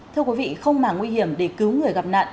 thưa quý vị không mà nguy hiểm để cứu người gặp nạn